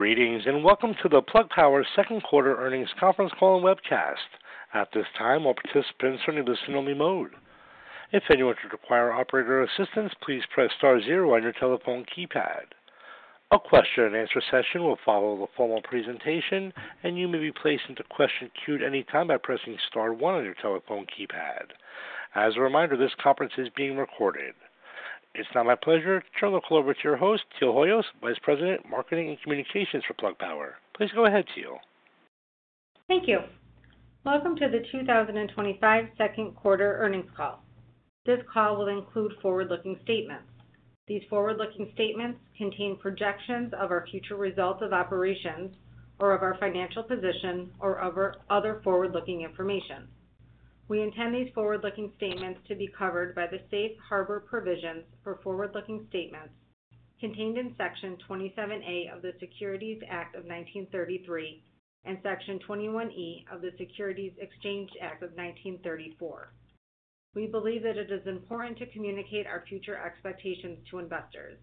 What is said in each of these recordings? Greetings and welcome to the Plug Power Second Quarter Earnings Conference Call and Webcast. At this time, all participants are in the listen-only mode. If anyone should require operator assistance, please press *0 on your telephone keypad. A question and answer session will follow the formal presentation, and you may be placed into the question queue at any time by pressing *1 on your telephone keypad. As a reminder, this conference is being recorded. It's now my pleasure to turn the call over to your host, Teal Hoyos, Vice President, Marketing and Communications for Plug Power. Please go ahead, Teal. Thank you. Welcome to the 2025 Second Quarter Earnings Call. This call will include forward-looking statements. These forward-looking statements contain projections of our future results of operations, or of our financial position, or of other forward-looking information. We intend these forward-looking statements to be covered by the safe harbor provisions for forward-looking statements contained in Section 27(a) of the Securities Act of 1933 and Section 21(e) of the Securities Exchange Act of 1934. We believe that it is important to communicate our future expectations to investors.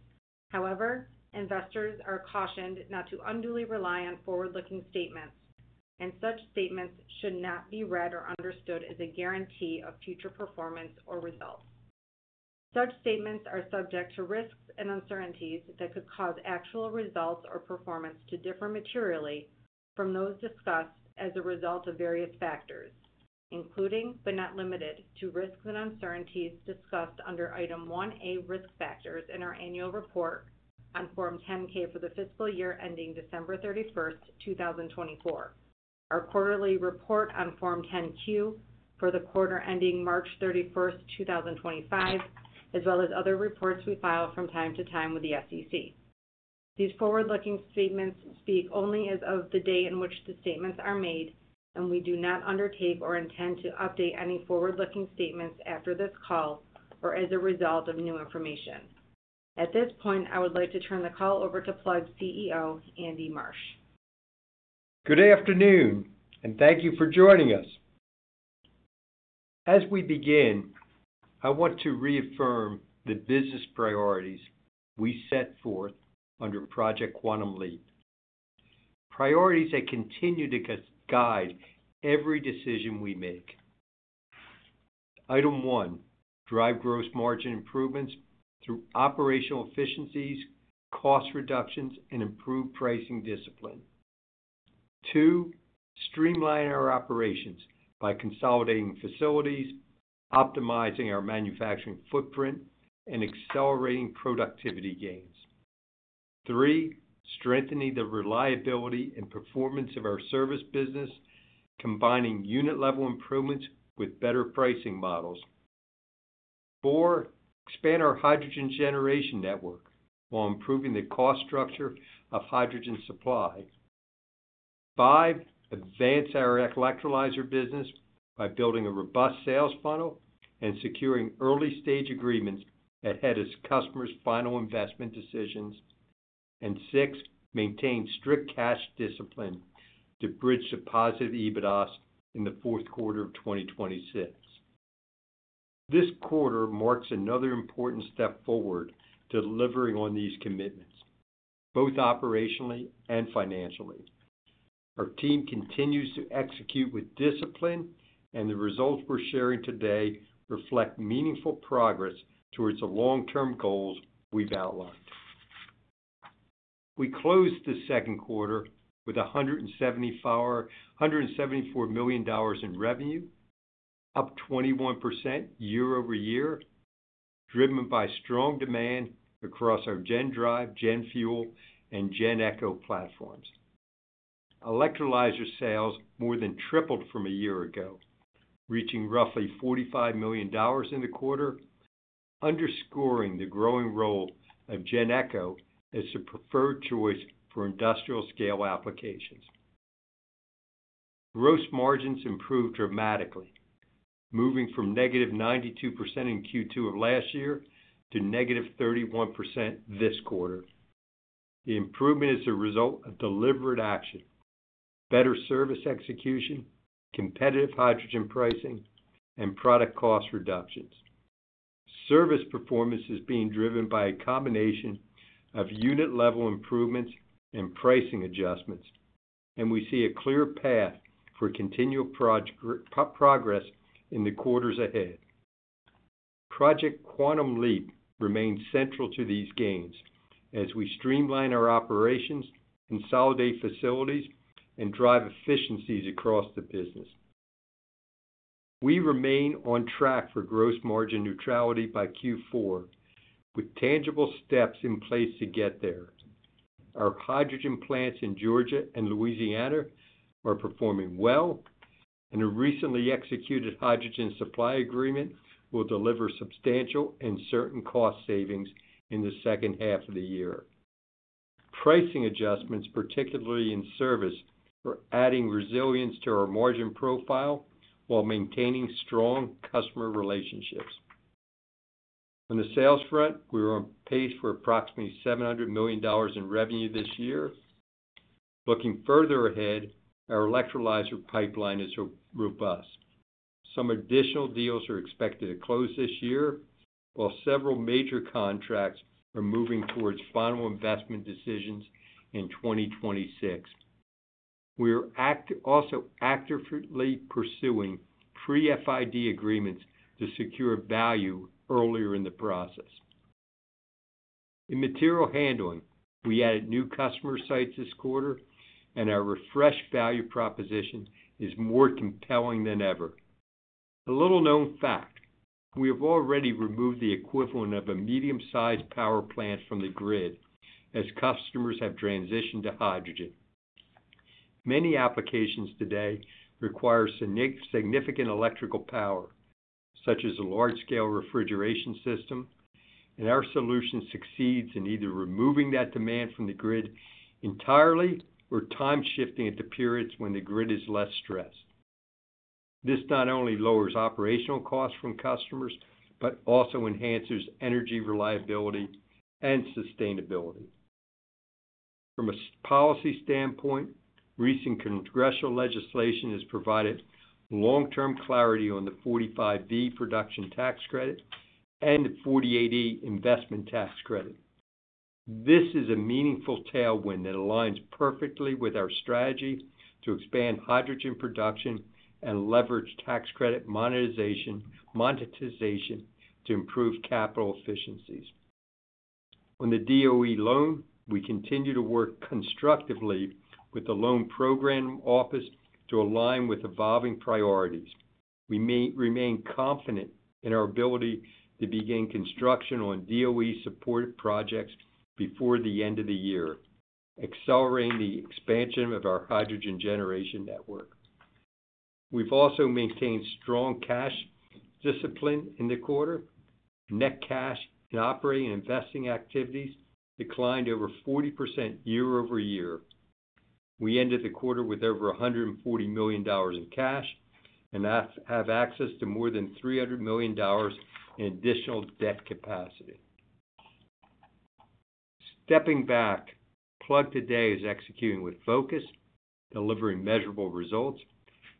However, investors are cautioned not to unduly rely on forward-looking statements, and such statements should not be read or understood as a guarantee of future performance or results. Such statements are subject to risks and uncertainties that could cause actual results or performance to differ materially from those discussed as a result of various factors, including but not limited to risks and uncertainties discussed under Item 1(a) Risk Factors in our Annual Report on Form 10-K for the fiscal year ending December 31, 2024, our Quarterly Report on Form 10-Q for the quarter ending March 31, 2025, as well as other reports we file from time to time with the SEC. These forward-looking statements speak only as of the day in which the statements are made, and we do not undertake or intend to update any forward-looking statements after this call or as a result of new information. At this point, I would like to turn the call over to Plug Power CEO Andy Marsh. Good afternoon and thank you for joining us. As we begin, I want to reaffirm the business priorities we set forth under Project Quantum Leap, priorities that continue to guide every decision we make. Item one: drive gross margin improvements through operational efficiencies, cost reductions, and improved pricing discipline. Two: streamline our operations by consolidating facilities, optimizing our manufacturing footprint, and accelerating productivity gains. Three: strengthening the reliability and performance of our service business, combining unit-level improvements with better pricing models. Four: expand our hydrogen generation network while improving the cost structure of hydrogen supply. Five: advance our electrolyzer business by building a robust sales funnel and securing early-stage agreements that head us customers' final investment decisions. Six: maintain strict cash discipline to bridge the positive EBITDA in the fourth quarter of 2026. This quarter marks another important step forward, delivering on these commitments, both operationally and financially. Our team continues to execute with discipline, and the results we're sharing today reflect meaningful progress towards the long-term goals we've outlined. We closed the second quarter with $174 million in revenue, up 21% year-over-year, driven by strong demand across our GenDrive, GenFuel, and GenEcho platforms. Electrolyzer sales more than tripled from a year ago, reaching roughly $45 million in the quarter, underscoring the growing role of GenEcho as a preferred choice for industrial-scale applications. Gross margins improved dramatically, moving from negative 92% in Q2 of last year to negative 31% this quarter. The improvement is a result of deliberate action: better service execution, competitive hydrogen pricing, and product cost reductions. Service performance is being driven by a combination of unit-level improvements and pricing adjustments, and we see a clear path for continual progress in the quarters ahead. Project Quantum Leap remains central to these gains as we streamline our operations, consolidate facilities, and drive efficiencies across the business. We remain on track for gross margin neutrality by Q4, with tangible steps in place to get there. Our hydrogen plants in Georgia and Louisiana are performing well, and a recently executed hydrogen supply agreement will deliver substantial and certain cost savings in the second half of the year. Pricing adjustments, particularly in service, are adding resilience to our margin profile while maintaining strong customer relationships. On the sales front, we're on pace for approximately $700 million in revenue this year. Looking further ahead, our electrolyzer pipeline is robust. Some additional deals are expected to close this year, while several major contracts are moving towards final investment decisions in 2026. We are also actively pursuing pre-FID agreements to secure value earlier in the process. In material handling, we added new customer sites this quarter, and our refreshed value proposition is more compelling than ever. A little-known fact: we have already removed the equivalent of a medium-sized power plant from the grid as customers have transitioned to hydrogen. Many applications today require significant electrical power, such as a large-scale refrigeration system, and our solution succeeds in either removing that demand from the grid entirely or time-shifting it to periods when the grid is less stressed. This not only lowers operational costs from customers but also enhances energy reliability and sustainability. From a policy standpoint, recent congressional legislation has provided long-term clarity on the 45(b) PTC and the 48(e) ITC. This is a meaningful tailwind that aligns perfectly with our strategy to expand hydrogen production and leverage tax credit monetization to improve capital efficiencies. On the DOE loan, we continue to work constructively with the Loan Program Office to align with evolving priorities. We remain confident in our ability to begin construction on DOE-supported projects before the end of the year, accelerating the expansion of our hydrogen generation network. We've also maintained strong cash discipline in the quarter. Net cash in operating and investing activities declined over 40% year-over-year. We ended the quarter with over $140 million in cash and have access to more than $300 million in additional debt capacity. Stepping back, Plug Power today is executing with focus, delivering measurable results,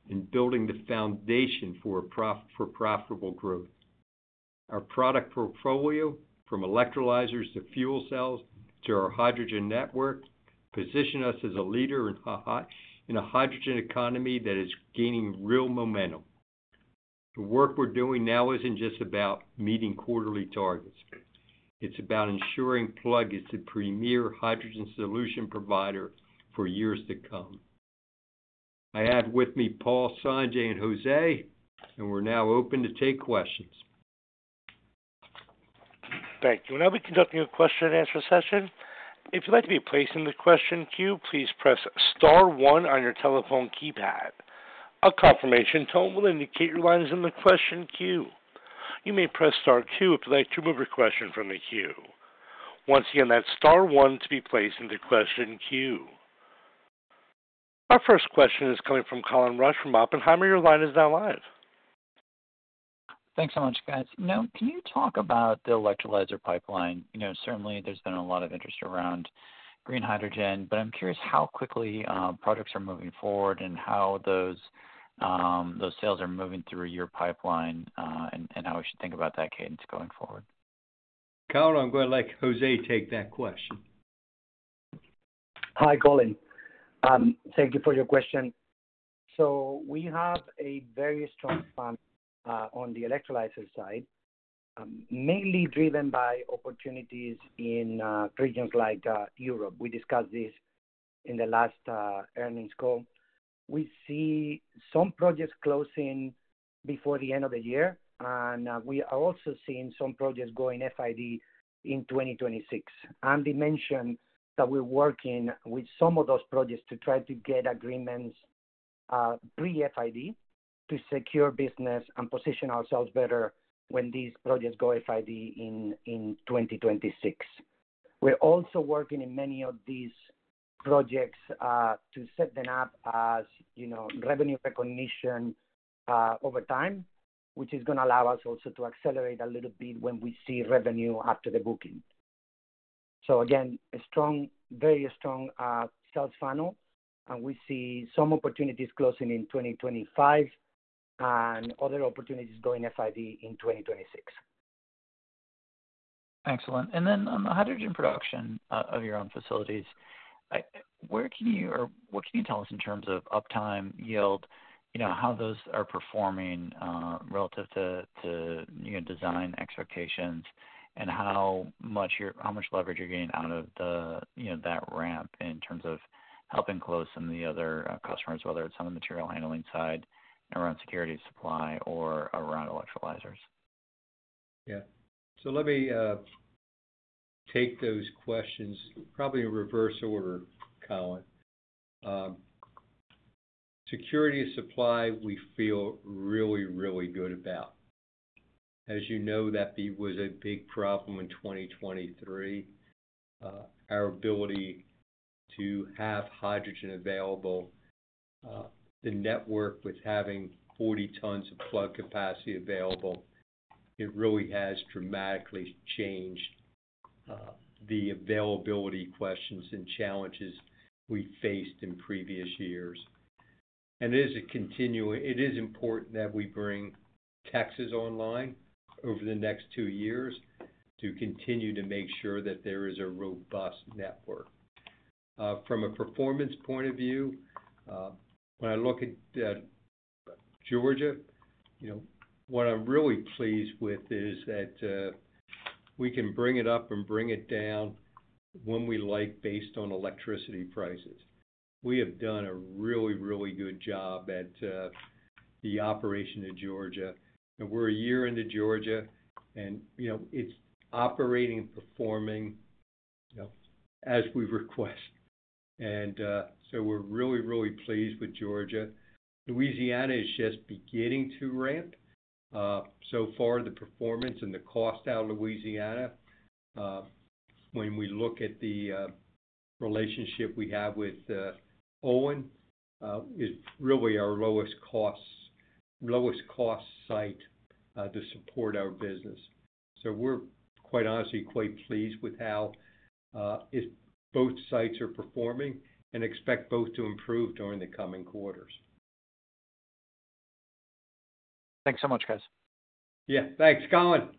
and building the foundation for profitable growth. Our product portfolio, from electrolyzers to fuel cells to our hydrogen network, positions us as a leader in a hydrogen economy that is gaining real momentum. The work we're doing now isn't just about meeting quarterly targets. It's about ensuring Plug Power is the premier hydrogen solution provider for years to come. I have with me Paul, Sanjay, and Jose, and we're now open to take questions. Thank you. Now we're conducting a question and answer session. If you'd like to be placed in the question queue, please press *1 on your telephone keypad. A confirmation tone will indicate your line is in the question queue. You may press *2 if you'd like to remove your question from the queue. Once again, that's *1 to be placed in the question queue. Our first question is coming from Colin Rusch from Oppenheimer. Your line is now live. Thanks so much, guys. Now, can you talk about the electrolyzer pipeline? You know, certainly there's been a lot of interest around green hydrogen, but I'm curious how quickly projects are moving forward and how those sales are moving through your pipeline and how we should think about that cadence going forward. Carl, I'm going to let Jose take that question. Hi, Colin. Thank you for your question. We have a very strong span on the electrolyzer side, mainly driven by opportunities in regions like Europe. We discussed this in the last earnings call. We see some projects closing before the end of the year, and we are also seeing some projects going FID in 2026. I mentioned that we're working with some of those projects to try to get agreements pre-FID to secure business and position ourselves better when these projects go FID in 2026. We're also working in many of these projects to set them up as, you know, revenue recognition over time, which is going to allow us also to accelerate a little bit when we see revenue after the booking. Again, a strong, very strong sales funnel, and we see some opportunities closing in 2025 and other opportunities going FID in 2026. Excellent. On the hydrogen production of your own facilities, where can you or what can you tell us in terms of uptime, yield, how those are performing relative to design expectations, and how much leverage you're getting out of that ramp in terms of helping close some of the other customers, whether it's on the material handling side around security supply or around electrolyzers? Yeah. Let me take those questions probably in reverse order, Colin. Security supply, we feel really, really good about. As you know, that was a big problem in 2023. Our ability to have hydrogen available, the network with having 40 tons of flood capacity available, it really has dramatically changed the availability questions and challenges we faced in previous years. It is important that we bring Texas online over the next two years to continue to make sure that there is a robust network. From a performance point of view, when I look at Georgia, what I'm really pleased with is that we can bring it up and bring it down when we like based on electricity prices. We have done a really, really good job at the operation of Georgia. We're a year into Georgia, and it's operating and performing as we request. We're really, really pleased with Georgia. Louisiana is just beginning to ramp. So far, the performance and the cost out of Louisiana, when we look at the relationship we have with Owen, is really our lowest cost site to support our business. We're quite honestly quite pleased with how both sites are performing and expect both to improve during the coming quarters. Thanks so much, guys. Yeah, thanks, Colin.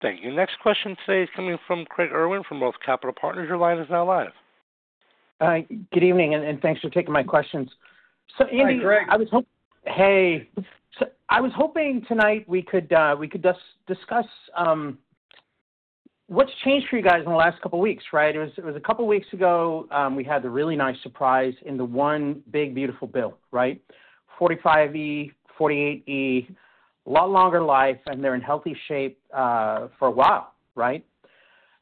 Thank you. Next question today is coming from Craig Irwin from Roth Capital Partners. Your line is now live. Good evening, and thanks for taking my questions. Andy, I was hoping tonight we could just discuss what's changed for you guys in the last couple of weeks, right? It was a couple of weeks ago. We had the really nice surprise in the one big, beautiful build, right? 45(b), 48(e), a lot longer life, and they're in healthy shape for a while, right?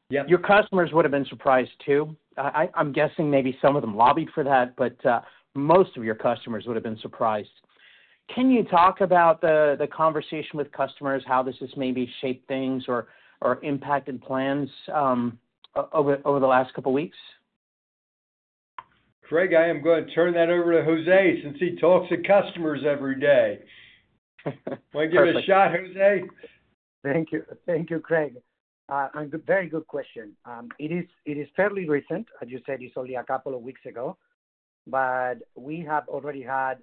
Yeah. Your customers would have been surprised too. I'm guessing maybe some of them lobbied for that, but most of your customers would have been surprised. Can you talk about the conversation with customers, how this has maybe shaped things or impacted plans over the last couple of weeks? Craig, I am going to turn that over to Jose since he talks to customers every day. Want to give it a shot, Jose? Thank you. Thank you, Craig. Very good question. It is fairly recent. As you said, it's only a couple of weeks ago. We have already had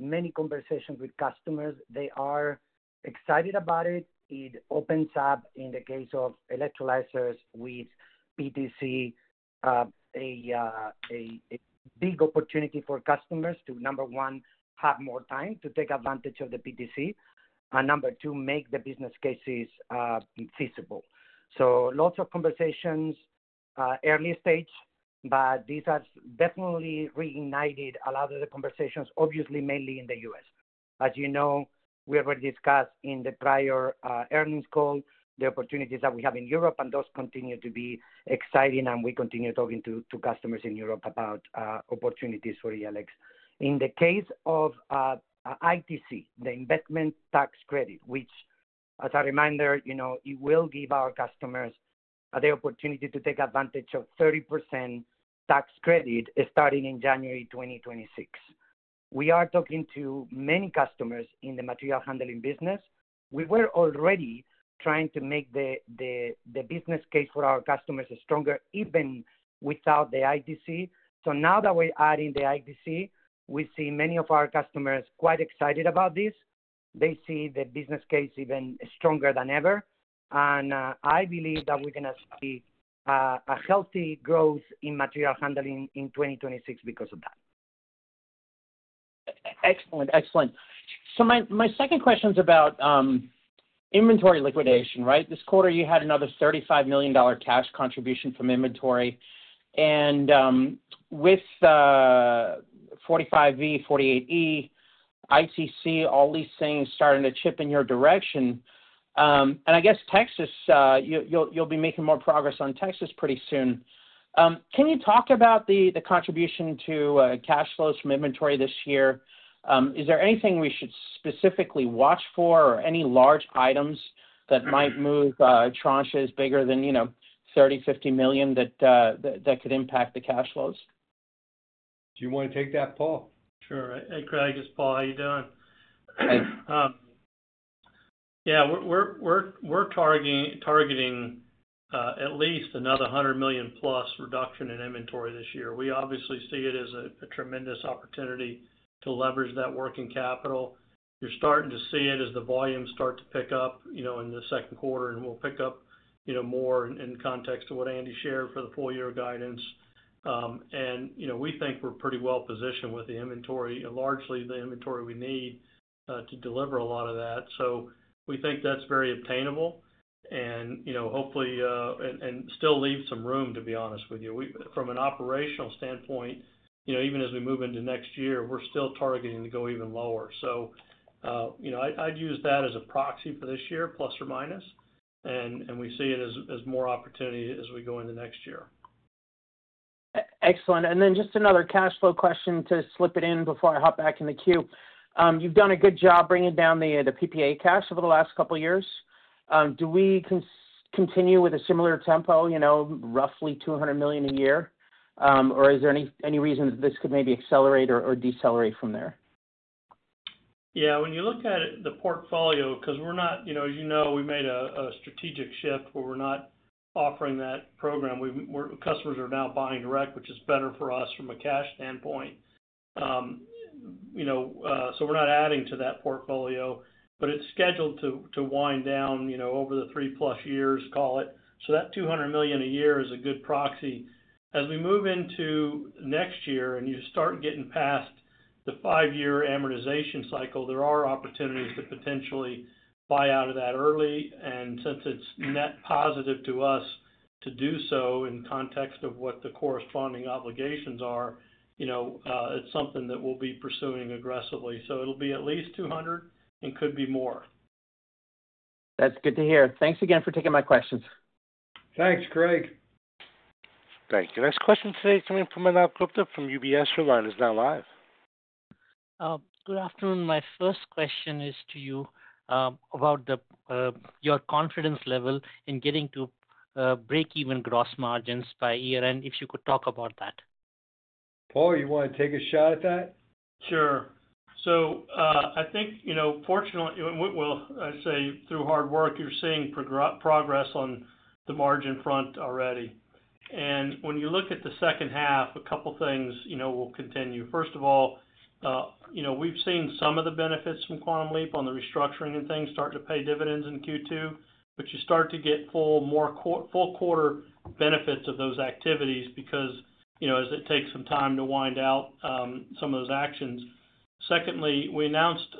many conversations with customers. They are excited about it. It opens up, in the case of electrolyzers with PTC, a big opportunity for customers to, number one, have more time to take advantage of the PTC, and number two, make the business cases feasible. Lots of conversations, early stage, but these have definitely reignited a lot of the conversations, obviously mainly in the U.S. As you know, we already discussed in the prior earnings call the opportunities that we have in Europe, and those continue to be exciting, and we continue talking to customers in Europe about opportunities for ELX. In the case of ITC, the Investment Tax Credit, which, as a reminder, you know, it will give our customers the opportunity to take advantage of 30% tax credit starting in January 2026. We are talking to many customers in the material handling business. We were already trying to make the business case for our customers stronger, even without the ITC. Now that we're adding the ITC, we see many of our customers quite excited about this. They see the business case even stronger than ever. I believe that we're going to see a healthy growth in material handling in 2026 because of that. Excellent, excellent. My second question is about inventory liquidation, right? This quarter, you had another $35 million cash contribution from inventory. With the 45(b), 48(e) ITC, all these things starting to chip in your direction, I guess Texas, you'll be making more progress on Texas pretty soon. Can you talk about the contribution to cash flows from inventory this year? Is there anything we should specifically watch for or any large items that might move tranches bigger than, you know, $30 million, $50 million that could impact the cash flows? Do you want to take that, Paul? Sure. Hey, Craig. It's Paul. How you doing? Hey. Yeah, we're targeting at least another $100 million plus reduction in inventory this year. We obviously see it as a tremendous opportunity to leverage that working capital. You're starting to see it as the volumes start to pick up in the second quarter, and we'll pick up more in context of what Andy shared for the full-year guidance. We think we're pretty well positioned with the inventory, largely the inventory we need to deliver a lot of that. We think that's very obtainable and hopefully still leaves some room, to be honest with you. From an operational standpoint, even as we move into next year, we're still targeting to go even lower. I'd use that as a proxy for this year, plus or minus. We see it as more opportunity as we go into next year. Excellent. Just another cash flow question to slip it in before I hop back in the queue. You've done a good job bringing down the PPA cash over the last couple of years. Do we continue with a similar tempo, you know, roughly $200 million a year? Is there any reason this could maybe accelerate or decelerate from there? Yeah, when you look at the portfolio, because we're not, you know, we made a strategic shift where we're not offering that program. Customers are now buying direct, which is better for us from a cash standpoint. We're not adding to that portfolio, but it's scheduled to wind down over the three-plus years, call it. That $200 million a year is a good proxy. As we move into next year and you start getting past the five-year amortization cycle, there are opportunities to potentially buy out of that early. Since it's net positive to us to do so in context of what the corresponding obligations are, it's something that we'll be pursuing aggressively. It'll be at least $200 million and could be more. That's good to hear. Thanks again for taking my questions. Thanks, Craig. Thank you. Next question today is coming from Manav Gupta from UBS. Your line is now live. Good afternoon. My first question is to you about your confidence level in getting to break-even gross margins by year-end, if you could talk about that. Paul, you want to take a shot at that? Sure. I think, fortunately, through hard work, you're seeing progress on the margin front already. When you look at the second half, a couple of things will continue. First of all, we've seen some of the benefits from Project Quantum Leap on the restructuring and things start to pay dividends in Q2, but you start to get more full quarter benefits of those activities because it takes some time to wind out some of those actions. Secondly, we announced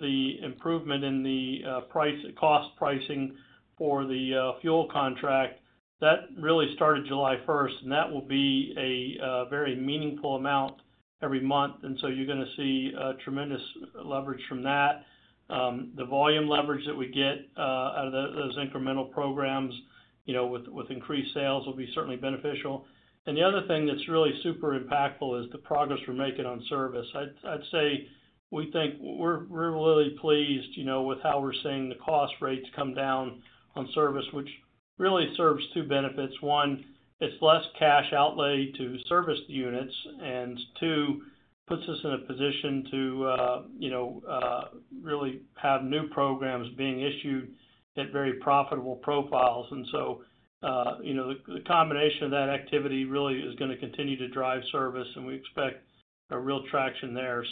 the improvement in the price cost pricing for the fuel contract. That really started July 1, and that will be a very meaningful amount every month. You're going to see tremendous leverage from that. The volume leverage that we get out of those incremental programs with increased sales will be certainly beneficial. The other thing that's really super impactful is the progress we're making on service. I'd say we think we're really pleased with how we're seeing the cost rates come down on service, which really serves two benefits. One, it's less cash outlay to service units, and two, puts us in a position to really have new programs being issued at very profitable profiles. The combination of that activity really is going to continue to drive service, and we expect real traction there.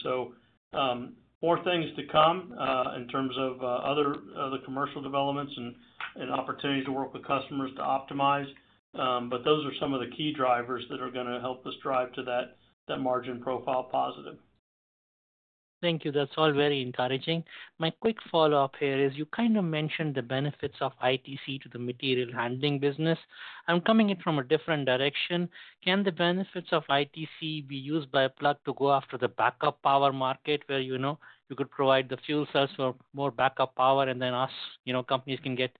More things to come in terms of other commercial developments and opportunities to work with customers to optimize. Those are some of the key drivers that are going to help us drive to that margin profile positive. Thank you. That's all very encouraging. My quick follow-up here is you kind of mentioned the benefits of ITC to the material handling business. I'm coming in from a different direction. Can the benefits of ITC be used by Plug to go after the backup power market where, you know, you could provide the fuel cells for more backup power and then, you know, companies can get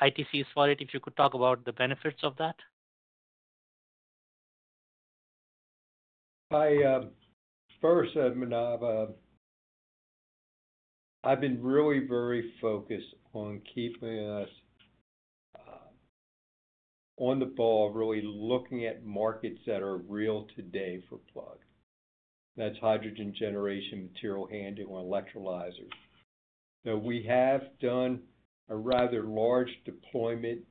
ITCs for it? If you could talk about the benefits of that. I first said, I've been really very focused on keeping us on the ball, really looking at markets that are real today for Plug Power. That's hydrogen generation, material handling, or electrolyzers. Now, we have done a rather large deployment,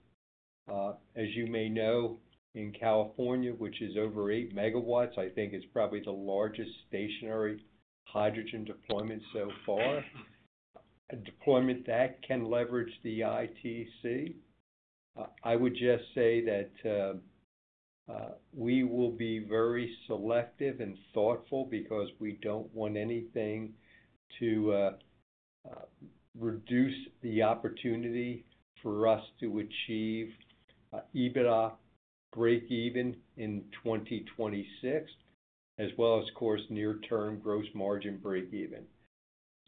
as you may know, in California, which is over 8 megawatts. I think it's probably the largest stationary hydrogen deployment so far, a deployment that can leverage the ITC. I would just say that we will be very selective and thoughtful because we don't want anything to reduce the opportunity for us to achieve EBITDA break-even in 2026, as well as, of course, near-term gross margin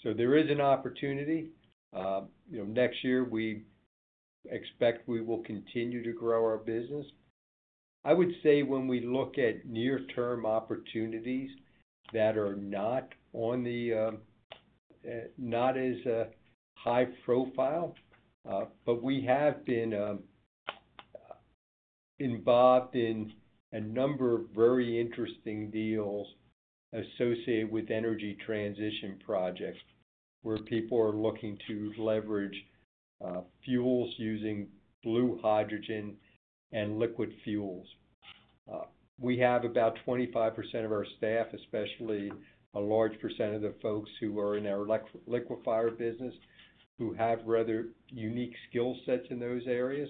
break-even. There is an opportunity. Next year, we expect we will continue to grow our business. I would say when we look at near-term opportunities that are not as high profile, we have been involved in a number of very interesting deals associated with energy transition projects where people are looking to leverage fuels using blue hydrogen and liquid fuels. We have about 25% of our staff, especially a large percent of the folks who are in our liquefier business, who have rather unique skill sets in those areas,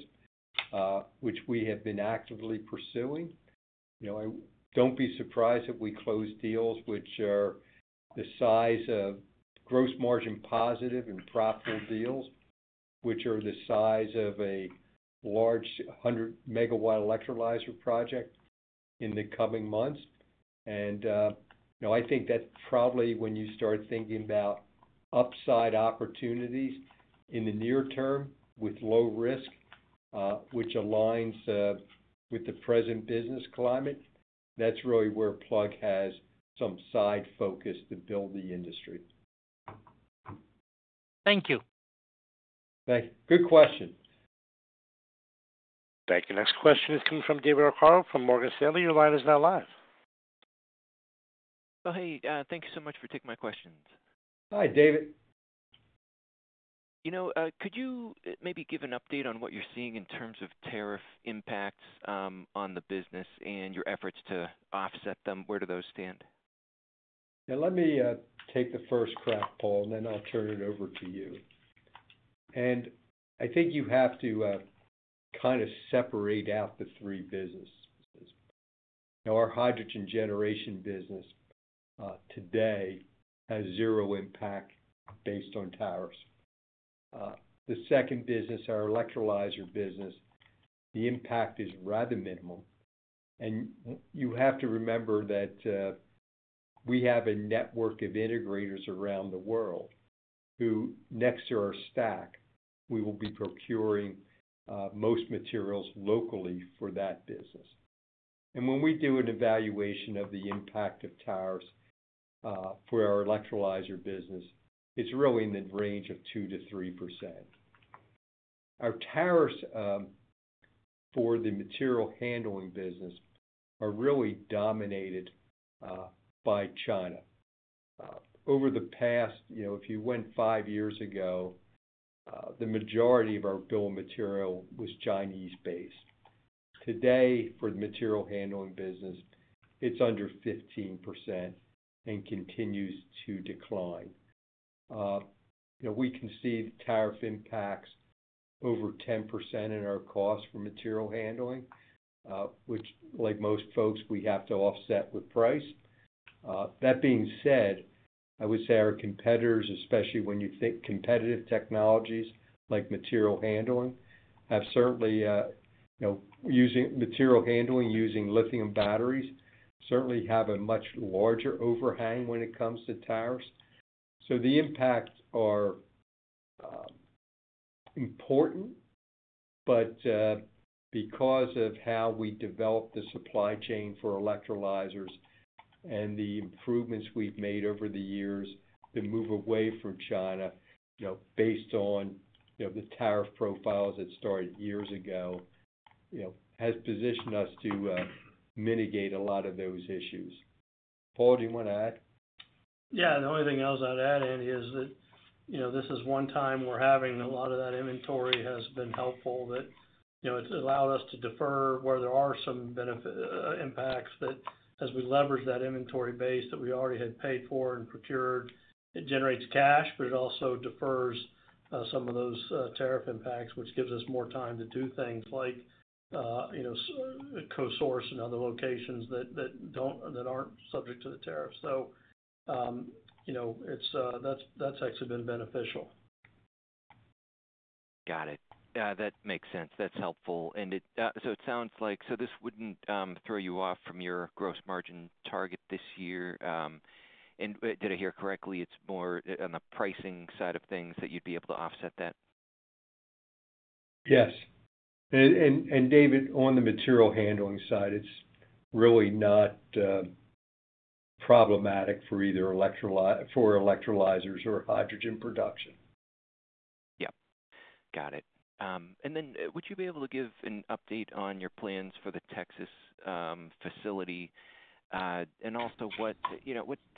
which we have been actively pursuing. Don't be surprised if we close deals which are the size of gross margin positive and profitable deals, which are the size of a large 100 megawatt electrolyzer project in the coming months. I think that's probably when you start thinking about upside opportunities in the near term with low risk, which aligns with the present business climate. That's really where Plug Power has some side focus to build the industry. Thank you. Thanks. Good question. Thank you. Next question is coming from David O'Connell from Morgan Stanley. Your line is now live. Oh, thank you so much for taking my questions. Hi, David. You know, could you maybe give an update on what you're seeing in terms of tariff impacts on the business and your efforts to offset them? Where do those stand? Yeah, let me take the first crack, Paul, and then I'll turn it over to you. I think you have to kind of separate out the three businesses. Our hydrogen generation business today has zero impact based on tariffs. The second business, our electrolyzer business, the impact is rather minimal. You have to remember that we have a network of integrators around the world who, next to our stack, we will be procuring most materials locally for that business. When we do an evaluation of the impact of tariffs for our electrolyzer business, it's really in the range of 2%-3%. Our tariffs for the material handling business are really dominated by China. If you went five years ago, the majority of our bill of material was Chinese-based. Today, for the material handling business, it's under 15% and continues to decline. We can see the tariff impacts over 10% in our costs for material handling, which, like most folks, we have to offset with price. That being said, I would say our competitors, especially when you think competitive technologies like material handling, have certainly, using material handling, using lithium batteries, certainly have a much larger overhang when it comes to tariffs. The impacts are important, but because of how we develop the supply chain for electrolyzers and the improvements we've made over the years, the move away from China, based on the tariff profiles that started years ago, has positioned us to mitigate a lot of those issues. Paul, do you want to add? Yeah, the only thing else I'd add, Andy, is that this is one time we're having a lot of that inventory has been helpful, that it's allowed us to defer where there are some benefit impacts. As we leverage that inventory base that we already had paid for and procured, it generates cash, but it also defers some of those tariff impacts, which gives us more time to do things like co-source in other locations that aren't subject to the tariffs. That's actually been beneficial. Got it. Yeah, that makes sense. That's helpful. It sounds like this wouldn't throw you off from your gross margin target this year, and did I hear correctly, it's more on the pricing side of things that you'd be able to offset that? Yes. David, on the material handling side, it's really not problematic for either electrolyzers or hydrogen production. Got it. Would you be able to give an update on your plans for the Texas facility, and also what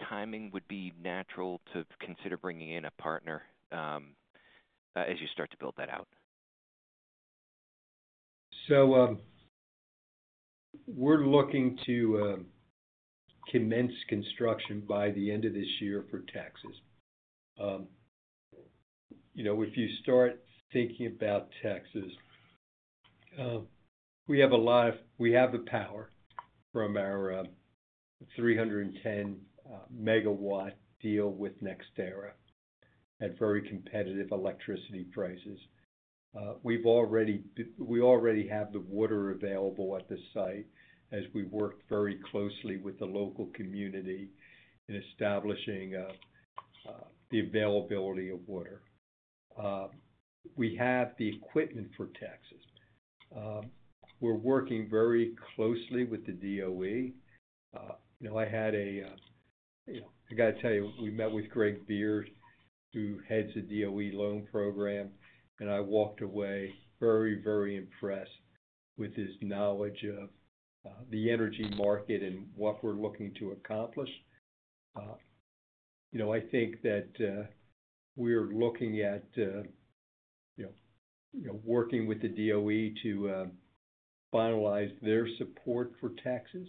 timing would be natural to consider bringing in a partner as you start to build that out? We're looking to commence construction by the end of this year for Texas. If you start thinking about Texas, we have the power from our 310 MW power deal with NextEra at very competitive electricity prices. We've already got the water available at the site as we work very closely with the local community in establishing the availability of water. We have the equipment for Texas. We're working very closely with the U.S. Department of Energy (DOE). I got to tell you, we met with Greg Beer, who heads the DOE loan program, and I walked away very, very impressed with his knowledge of the energy market and what we're looking to accomplish. I think that we're looking at working with the DOE to finalize their support for Texas,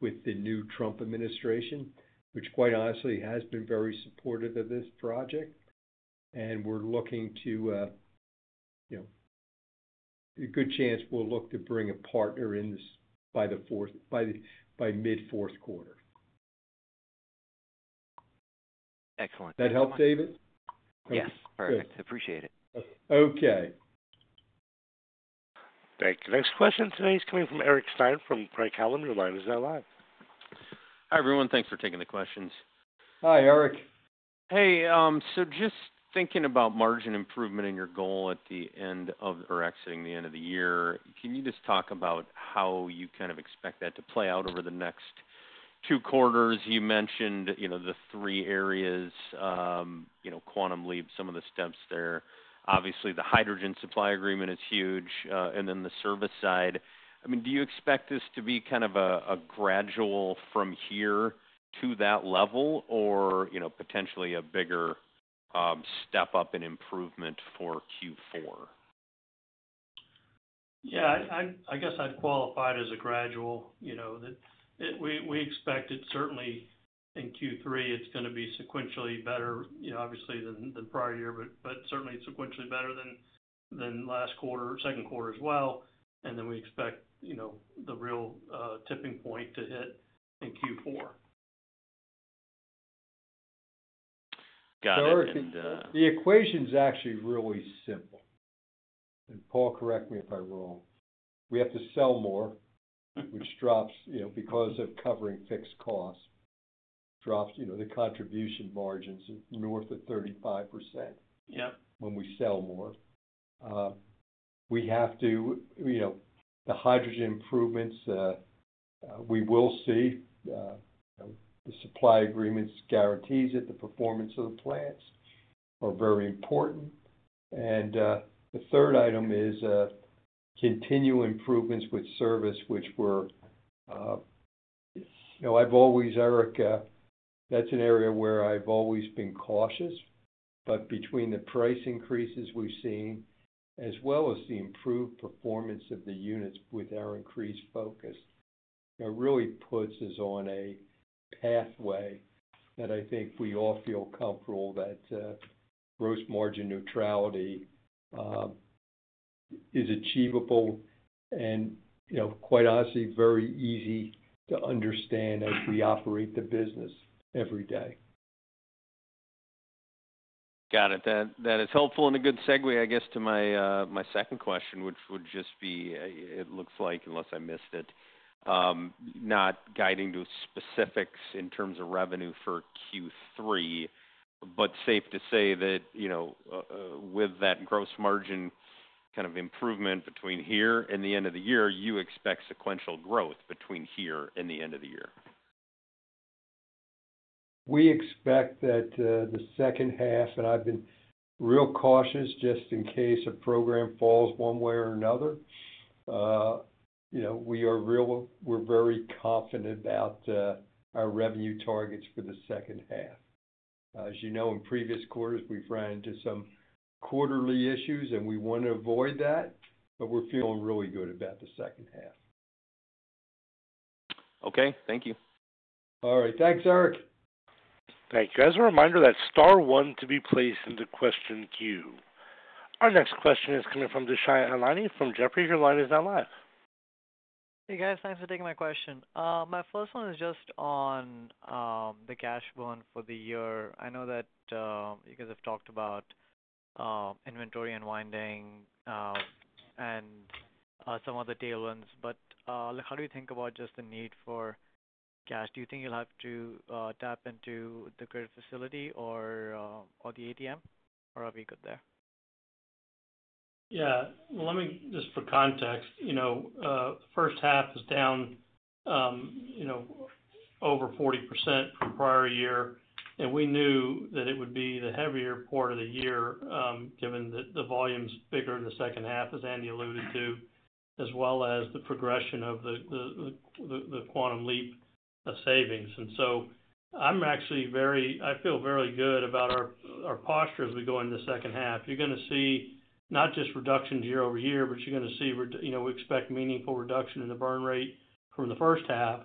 with the new Trump administration, which quite honestly has been very supportive of this project. We're looking to a good chance we'll look to bring a partner in this by the mid-fourth quarter. Excellent. That help, David? Yes, perfect. Appreciate it. Okay. Thank you. Next question today is coming from Eric Stine from Craig-Hallum. Your line is now live. Hi, everyone. Thanks for taking the questions. Hi, Eric. Hey, just thinking about margin improvement and your goal at the end of or exiting the end of the year, can you talk about how you expect that to play out over the next two quarters? You mentioned the three areas, Quantum Leap, some of the steps there. Obviously, the hydrogen supply agreement is huge, and then the service side. Do you expect this to be kind of a gradual from here to that level or potentially a bigger step up in improvement for Q4? Yeah, I guess I'd qualify it as a gradual. We expect it certainly in Q3, it's going to be sequentially better, obviously than the prior year, but certainly sequentially better than last quarter, second quarter as well. We expect the real tipping point to hit in Q4. Got it. The equation's actually really simple. Paul, correct me if I'm wrong. We have to sell more, which drops, you know, because of covering fixed costs, drops, you know, the contribution margins north of 35%. Yep. When we sell more, we have to, you know, the hydrogen improvements, we will see. You know, the supply agreements guarantee that the performance of the plants are very important. The third item is continual improvements with service, which we're, you know, I've always, Eric, that's an area where I've always been cautious. Between the price increases we've seen, as well as the improved performance of the units with our increased focus, it really puts us on a pathway that I think we all feel comfortable that gross margin neutrality is achievable and, you know, quite honestly, very easy to understand as we operate the business every day. Got it. That is helpful and a good segue, I guess, to my second question, which would just be, it looks like, unless I missed it, not guiding to specifics in terms of revenue for Q3, but safe to say that, you know, with that gross margin kind of improvement between here and the end of the year, you expect sequential growth between here and the end of the year. We expect that the second half, and I've been real cautious just in case a program falls one way or another. You know, we are real, we're very confident about our revenue targets for the second half. As you know, in previous quarters, we've run into some quarterly issues, and we want to avoid that. We're feeling really good about the second half. Okay, thank you. All right. Thanks, Eric. Thank you. As a reminder, that's star one to be placed into question queue. Our next question is coming from Dushyant Ailani from Jefferies. Your line is now live. Hey, guys. Thanks for taking my question. My first one is just on the cash burn for the year. I know that you guys have talked about inventory unwinding and some other tailwinds, but how do you think about just the need for cash? Do you think you'll have to tap into the credit facility or the ATM, or are we good there? Yeah. Let me, just for context, you know, the first half is down, you know, over 40% for the prior year. We knew that it would be the heavier part of the year given that the volume's bigger in the second half, as Andy alluded to, as well as the progression of the Quantum Leap of savings. I'm actually very, I feel very good about our posture as we go into the second half. You're going to see not just reductions year-over-year, but you're going to see, you know, we expect meaningful reduction in the burn rate from the first half.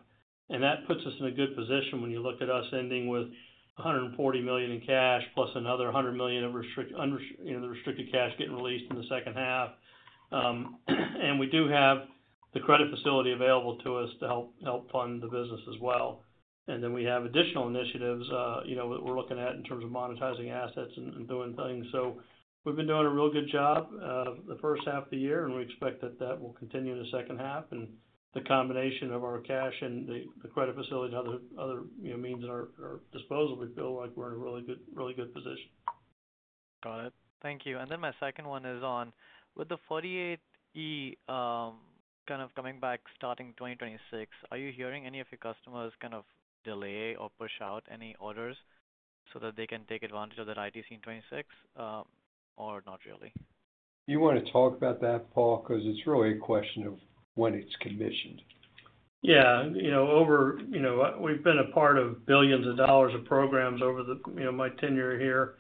That puts us in a good position when you look at us ending with $140 million in cash plus another $100 million of restricted, you know, the restricted cash getting released in the second half. We do have the credit facility available to us to help fund the business as well. We have additional initiatives, you know, that we're looking at in terms of monetizing assets and doing things. We've been doing a real good job the first half of the year, and we expect that that will continue in the second half. The combination of our cash and the credit facility and other, you know, means at our disposal, we feel like we're in a really good, really good position. Got it. Thank you. My second one is on, with the 48(e) kind of coming back starting 2026, are you hearing any of your customers kind of delay or push out any orders so that they can take advantage of that ITC in 2026, or not really? You want to talk about that, Paul, because it's really a question of when it's commissioned. Yeah, you know, over, you know, we've been a part of billions of dollars of programs over the, you know, my tenure here.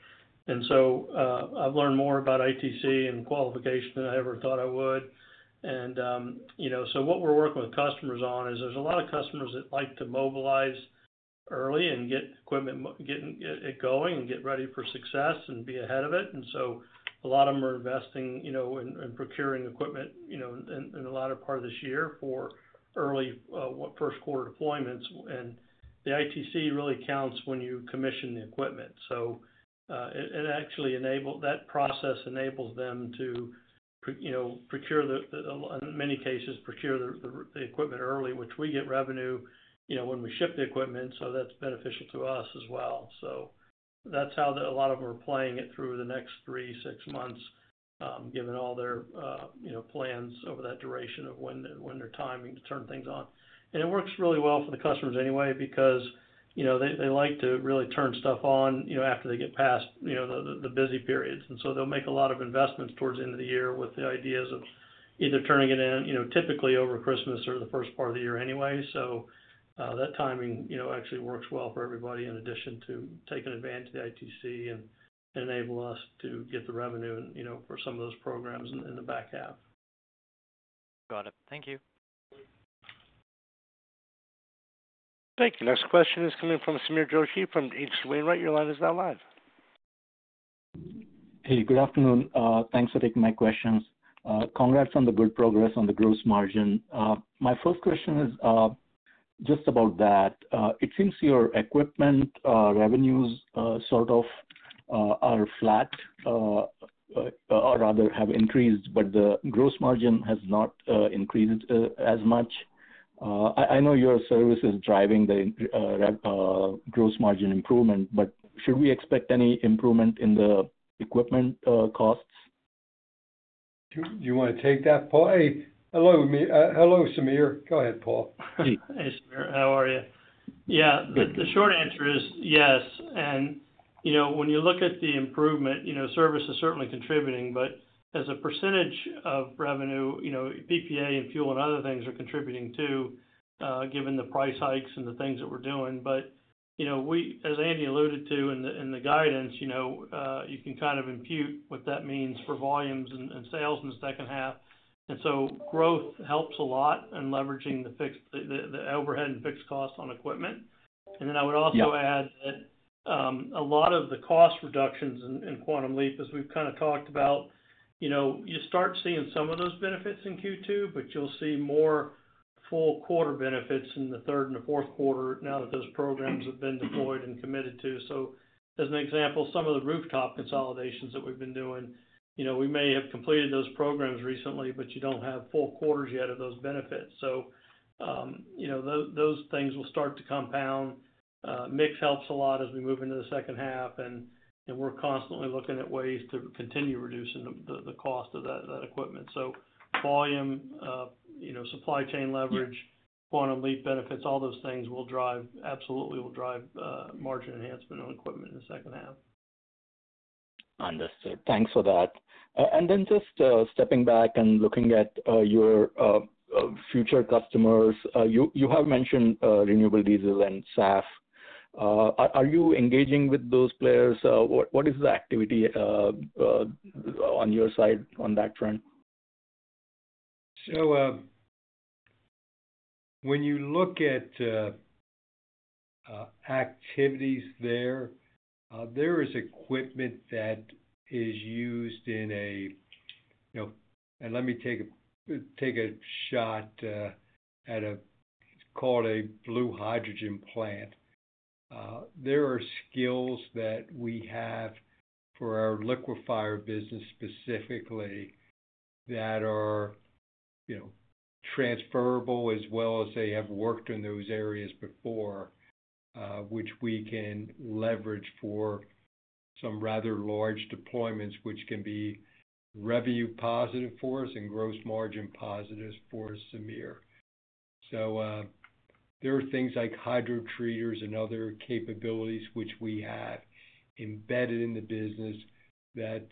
I've learned more about ITC and qualification than I ever thought I would. What we're working with customers on is there's a lot of customers that like to mobilize early and get equipment, get it going and get ready for success and be ahead of it. A lot of them are investing in procuring equipment in the latter part of this year for early, what, first quarter deployments. The ITC really counts when you commission the equipment. It actually enables that process, enables them to procure the, in many cases, procure the equipment early, which we get revenue when we ship the equipment. That's beneficial to us as well. That's how a lot of them are playing it through the next three, six months, given all their plans over that duration of when they're timing to turn things on. It works really well for the customers anyway because they like to really turn stuff on after they get past the busy periods. They'll make a lot of investments towards the end of the year with the ideas of either turning it in, typically over Christmas or the first part of the year anyway. That timing actually works well for everybody in addition to taking advantage of the ITC and enable us to get the revenue for some of those programs in the back half. Got it. Thank you. Thank you. Next question is coming from Sameer Joshi from H.C. Wainwright. Your line is now live. Hey, good afternoon. Thanks for taking my questions. Congrats on the good progress on the gross margin. My first question is just about that. It seems your equipment revenues sort of are flat, or rather have increased, but the gross margin has not increased as much. I know your service is driving the gross margin improvement. Should we expect any improvement in the equipment costs? Do you want to take that, Paul? Hello, Samir. Go ahead, Paul. Hey, Samir. How are you? Yeah, the short answer is yes. When you look at the improvement, service is certainly contributing, but as a percentage of revenue, PPA and fuel and other things are contributing too, given the price hikes and the things that we're doing. As Andy alluded to in the guidance, you can kind of impute what that means for volumes and sales in the second half. Growth helps a lot in leveraging the overhead and fixed cost on equipment. I would also add that a lot of the cost reductions in Project Quantum Leap, as we've talked about, you start seeing some of those benefits in Q2, but you'll see more full quarter benefits in the third and the fourth quarter now that those programs have been deployed and committed to. As an example, some of the rooftop consolidations that we've been doing, we may have completed those programs recently, but you don't have full quarters yet of those benefits. Those things will start to compound. Mix helps a lot as we move into the second half, and we're constantly looking at ways to continue reducing the cost of that equipment. Volume, supply chain leverage, Project Quantum Leap benefits, all those things will drive, absolutely will drive margin enhancement on equipment in the second half. Understood. Thanks for that. Just stepping back and looking at your future customers, you have mentioned Renewable Diesel and SAF. Are you engaging with those players? What is the activity on your side on that front? When you look at activities there, there is equipment that is used in a, you know, and let me take a shot at a, it's called a blue hydrogen plant. There are skills that we have for our liquefier business specifically that are transferable as well as they have worked in those areas before, which we can leverage for some rather large deployments, which can be revenue positive for us and gross margin positive for us, Samir. There are things like hydrotreaters and other capabilities which we have embedded in the business that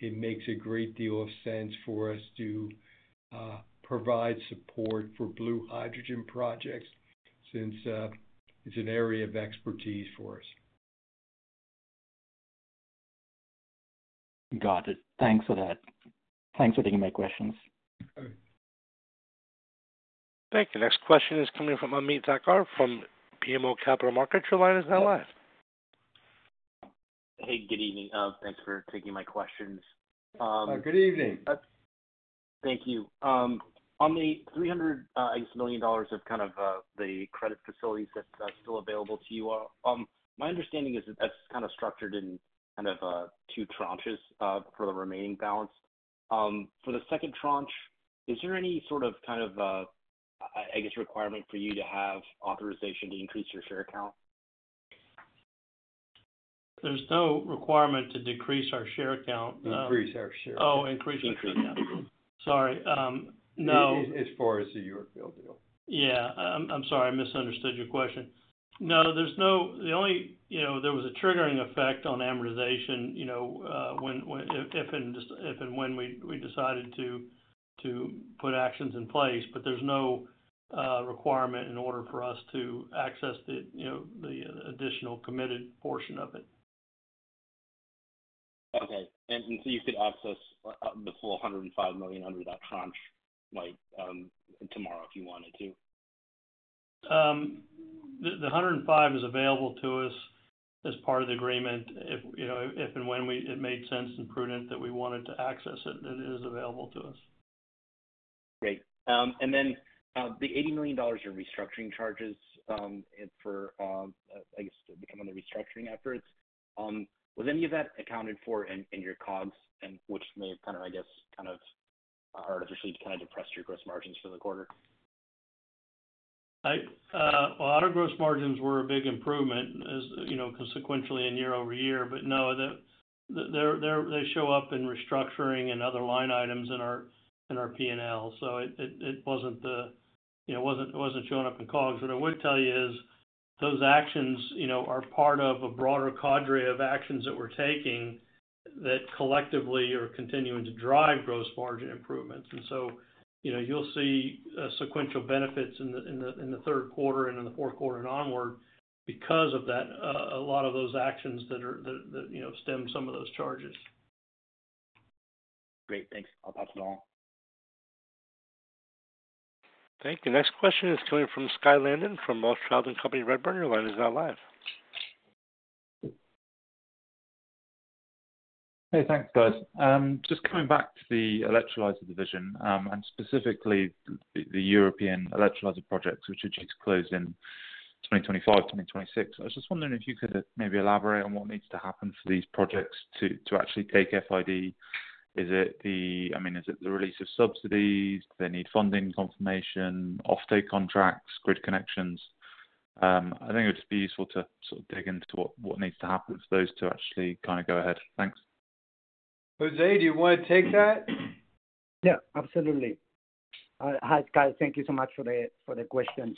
it makes a great deal of sense for us to provide support for blue hydrogen projects since it's an area of expertise for us. Got it. Thanks for that. Thanks for taking my questions. Thank you. Next question is coming from Ameet Thakkar from BMO Capital Markets. Your line is now live. Hey, good evening. Thanks for taking my questions. Good evening. Thank you. On the $300 million of kind of the credit facilities that's still available to you, my understanding is that that's kind of structured in two tranches for the remaining balance. For the second tranche, is there any sort of requirement for you to have authorization to increase your share count? There's no requirement to decrease our share count. Increase our share. Oh, increase our share. Increase. Sorry. No. As far as the Yorkville deal. I'm sorry. I misunderstood your question. No, there's no, the only, you know, there was a triggering effect on amortization when, if and just if and when we decided to put actions in place, but there's no requirement in order for us to access the additional committed portion of it. Okay. You could access the full $105 million under that tranche, like, tomorrow if you wanted to? The $105 million is available to us as part of the agreement. If and when it made sense and prudent that we wanted to access it, it is available to us. Great. The $80 million in restructuring charges and for, I guess, to become on the restructuring efforts, was any of that accounted for in your COGS, which may have kind of, I guess, kind of artificially kind of depressed your gross margins for the quarter? Our gross margins were a big improvement, as you know, consequentially in year-over-year, but no, they show up in restructuring and other line items in our P&L. It wasn't showing up in COGS. What I would tell you is those actions are part of a broader cadre of actions that we're taking that collectively are continuing to drive gross margin improvements. You will see sequential benefits in the third quarter and in the fourth quarter and onward because of that, a lot of those actions that stem some of those charges. Great. Thanks. I'll pass it on. Thank you. Next question is coming from Skye Landon from Rothschild and Co. Redburn. Your line is now live. Hey, thanks, guys. Just coming back to the electrolyzer division and specifically the European electrolyzer projects, which are due to close in 2025, 2026, I was just wondering if you could maybe elaborate on what needs to happen for these projects to actually take FID. Is it the, I mean, is it the release of subsidies? They need funding confirmation, offtake contracts, grid connections? I think it would just be useful to sort of dig into what needs to happen for those to actually kind of go ahead. Thanks. Jose, do you want to take that? Yeah, absolutely. Hi, Skye. Thank you so much for the questions.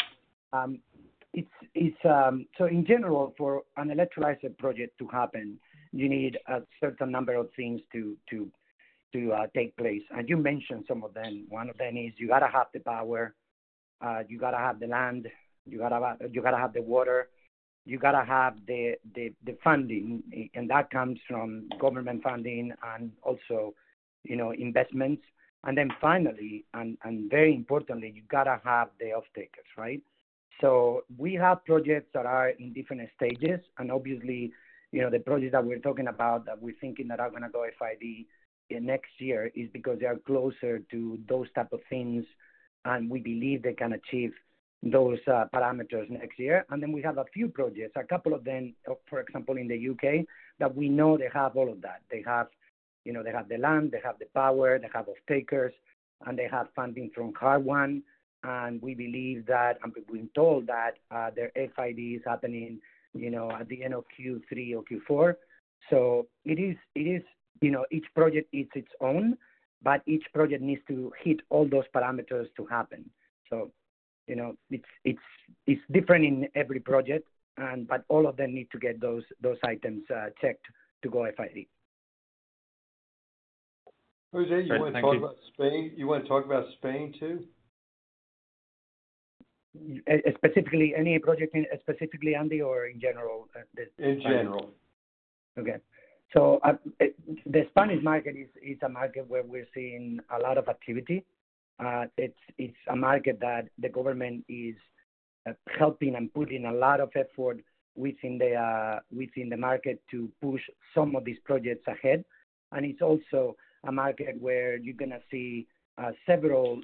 In general, for an electrolyzer project to happen, you need a certain number of things to take place. You mentioned some of them. One of them is you got to have the power, you got to have the land, you got to have the water, you got to have the funding, and that comes from government funding and also, you know, investments. Finally, and very importantly, you got to have the off-takers, right? We have projects that are in different stages, and obviously, you know, the projects that we're talking about that we're thinking that are going to go FID next year is because they are closer to those types of things, and we believe they can achieve those parameters next year. We have a few projects, a couple of them, for example, in the UK, that we know they have all of that. They have the land, they have the power, they have off-takers, and they have funding from [CarOne. We believe that, and we've been told that their FID is happening at the end of Q3 or Q4. Each project is its own, but each project needs to hit all those parameters to happen. It's different in every project, but all of them need to get those items checked to go FID. Jose, you want to talk about Spain? You want to talk about Spain too? Specifically, any project specifically, Andy, or in general? In general. Okay. The Spanish market is a market where we're seeing a lot of activity. It's a market that the government is helping and putting a lot of effort within the market to push some of these projects ahead. It's also a market where you're going to see several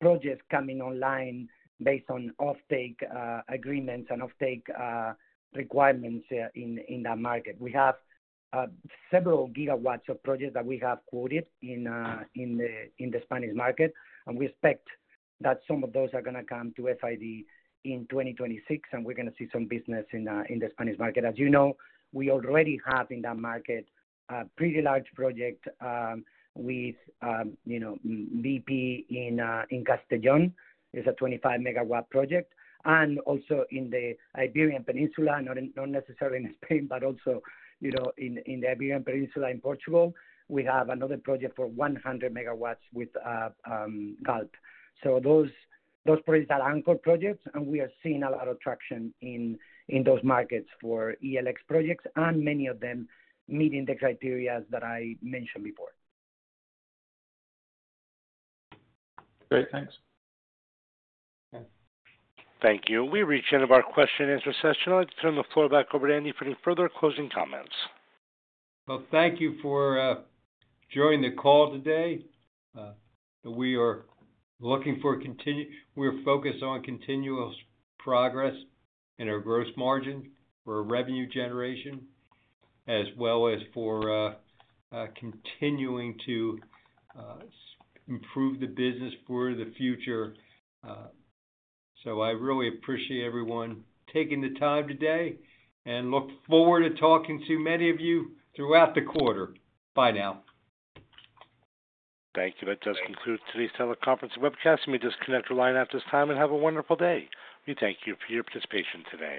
projects coming online based on off-take agreements and off-take requirements in that market. We have several gigawatts of projects that we have quoted in the Spanish market, and we expect that some of those are going to come to FID in 2026, and we're going to see some business in the Spanish market. As you know, we already have in that market a pretty large project with BP in Castellón. It's a 25 MW project. Also in the Iberian Peninsula, not necessarily in Spain, but also in the Iberian Peninsula in Portugal, we have another project for 100 MW with GALP. Those projects are anchor projects, and we are seeing a lot of traction in those markets for electrolyzer projects, and many of them meeting the criteria that I mentioned before. Great. Thank you. We reached the end of our question and answer session. I'd like to turn the floor back over to Andy for any further closing comments. Thank you for joining the call today. We are looking for continued, we're focused on continuous progress in our gross margin for revenue generation, as well as for continuing to improve the business for the future. I really appreciate everyone taking the time today and look forward to talking to many of you throughout the quarter. Bye now. Thank you. That does conclude today's teleconference webcast. You may disconnect the line at this time and have a wonderful day. We thank you for your participation today.